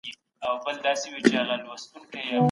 چېري کارګران د خپلو حقونو لپاره اعتصاب کوي؟